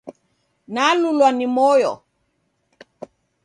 Nalulwa ni moyo.